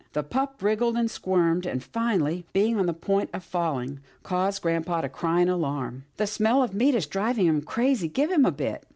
The pup wriggled and squirmed, and finally, being on the point of falling, caused grampa to cry in alarm, " The smell of meat is driving him crazy. Give him a bit."